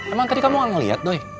emang tadi kamu gak ngeliat doy